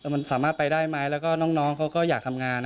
มันสามารถไปได้ไหมแล้วก็น้องเขาก็อยากทำงาน